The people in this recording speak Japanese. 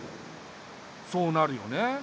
そうなるよね。